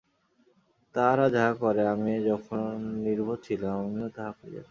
তাহারা যাহা করে, আমি যখন নির্বোধ ছিলাম, আমিও তাহা করিয়াছি।